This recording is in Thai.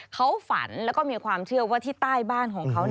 เขาฝันแล้วก็มีความเชื่อว่าที่ใต้บ้านของเขา